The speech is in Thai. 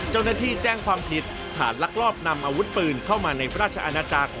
เจ้าหน้าที่แจ้งความผิดฐานลักลอบนำอาวุธปืนเข้ามาในราชอาณาจักร